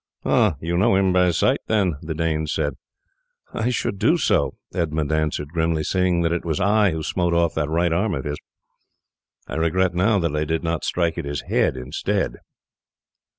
"Ah! you know him by sight then?" The Dane said. "I should do so," Edmund answered grimly, "seeing that it was I who smote off that right arm of his. I regret now that I did not strike at his head instead."